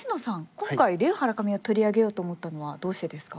今回レイ・ハラカミを取り上げようと思ったのはどうしてですか？